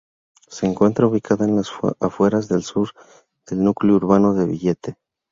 Se encuentra ubicada en las afueras del sur del núcleo urbano de Villette.